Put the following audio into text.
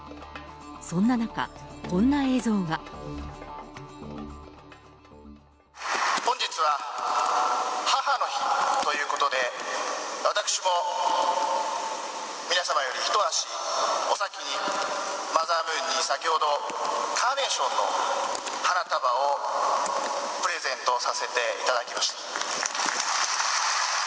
そんな中、本日は、母の日ということで、私も皆様より一足お先に、マザームーンに先ほど、カーネーションの花束をプレゼントさせていただきました。